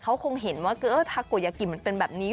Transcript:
เขาคงเห็นว่าทาโกยากิมันเป็นแบบนี้